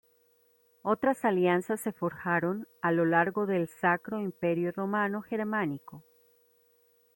Otras alianzas se forjaron a lo largo del Sacro Imperio Romano Germánico.